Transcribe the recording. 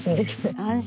安心。